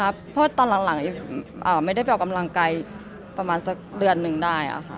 เพราะตอนหลังไม่ได้ไปออกกำลังกายประมาณสักเดือนหนึ่งได้